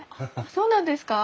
そうなんですか？